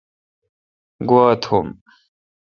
گوا تھون